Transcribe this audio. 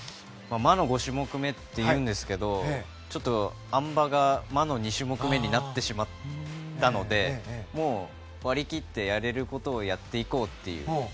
魔の５種目めっていうんですけどあん馬が魔の２種目めになってしまったのでもう割り切って、やれることをやっていこうという。